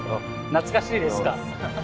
懐かしいですか？